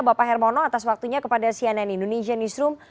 bapak hermono atas waktunya kepada cnn indonesia newsroom